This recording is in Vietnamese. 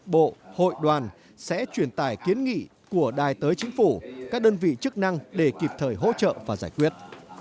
bộ hội đoàn sẽ truyền tải kiến nghị của đài tới chính phủ các đơn vị chức năng để kịp thời hỗ trợ và giải quyết